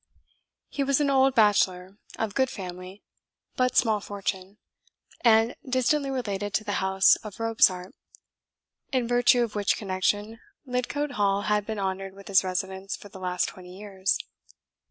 He was an old bachelor, of good family, but small fortune, and distantly related to the House of Robsart; in virtue of which connection, Lidcote Hall had been honoured with his residence for the last twenty years.